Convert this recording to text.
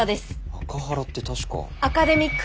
アカハラって確か。